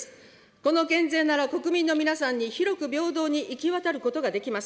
この減税なら国民の皆さんに広く平等に行き渡ることができます。